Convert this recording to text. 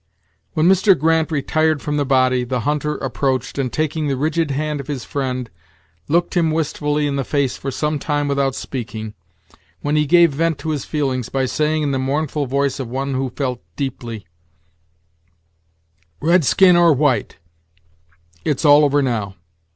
When Mr. Grant retired from the body, the hunter approached, and taking the rigid hand of his friend, looked him wistfully in the face for some time without speaking, when he gave vent to his feelings by saying, in the mournful voice of one who felt deeply: "Red skin or white, it's all over now!